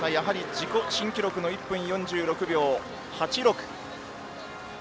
自己新記録１分４６秒８６です。